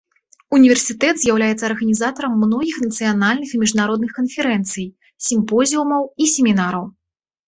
Універсітэт з'яўляецца арганізатарам многіх нацыянальных і міжнародных канферэнцый, сімпозіумаў і семінараў.